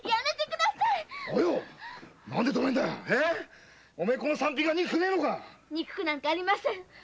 憎くなんかありません。